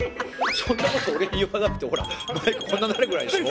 そんなこと俺に言わなくてもほらマイクこんなになるぐらいでしょ？